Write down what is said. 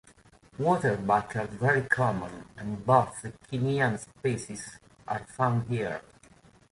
Waterbuck are very common and both the Kenyan species are found here.